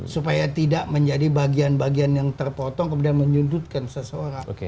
supaya tidak menjadi bagian bagian yang terpotong kemudian menyudutkan seseorang